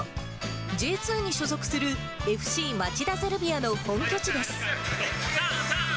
Ｊ２に所属するＦＣ町田ゼルビアの本拠地です。